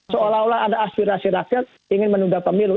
seolah olah ada aspirasi rakyat ingin menunda pemilu